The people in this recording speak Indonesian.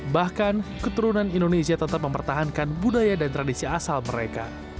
bahkan keturunan indonesia tetap mempertahankan budaya dan tradisi asal mereka